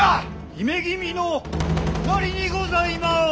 姫君のおなりにございます。